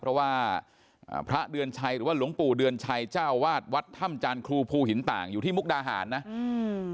เพราะว่าอ่าพระเดือนชัยหรือว่าหลวงปู่เดือนชัยเจ้าวาดวัดถ้ำจานครูภูหินต่างอยู่ที่มุกดาหารนะอืม